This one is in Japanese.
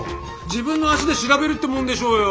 自分の足で調べるってもんでしょうよ。